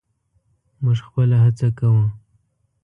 موږ خپله هڅه کوو.